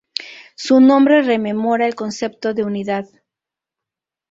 Su nombre rememora el concepto de "unidad".